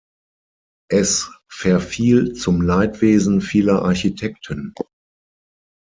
Es verfiel zum Leidwesen vieler Architekten.